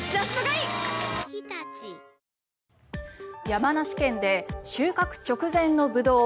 山梨県で収穫直前のブドウ